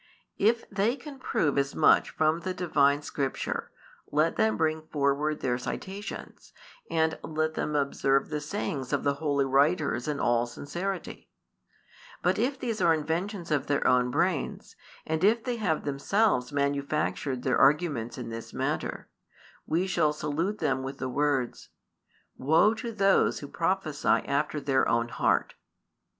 If they can prove as much from the Divine Scripture, let them bring forward their citations, and let them observe the sayings of the holy writers in all sincerity: but if these are inventions of their own brains, and if they have themselves manufactured their arguments in this matter, we shall salute them with the words: Woe to those who prophesy after their own heart!